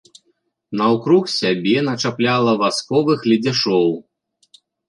Наўкруг сябе начапляла васковых ледзяшоў.